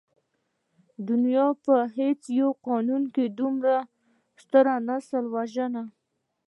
د دنيا په هېڅ يو قانون کې دومره ستر نسل وژنه.